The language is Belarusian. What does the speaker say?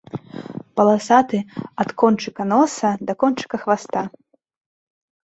Паласаты ад кончыка носа да кончыка хваста.